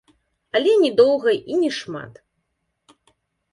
Але не доўга і не шмат.